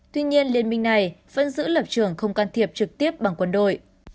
tuy nhiên liên minh này vẫn giữ lập trường không can thiệp trực tiếp bằng quân đội